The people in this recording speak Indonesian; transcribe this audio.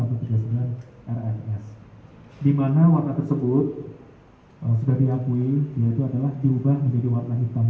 di mana warna tersebut sudah diakui yaitu adalah diubah menjadi warna hitam